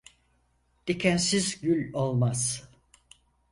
Dikensiz gül olmaz.